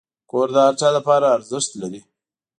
کور د هر چا لپاره ارزښت لري.